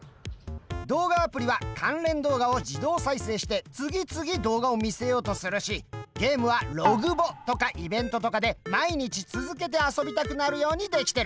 動画アプリは関連動画を自動再生して次々動画を見せようとするしゲームはログボとかイベントとかで毎日続けて遊びたくなるように出来てる！